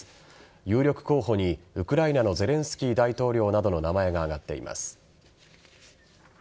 有力候補にウクライナのゼレンスキー大統領などの名前が挙がっています。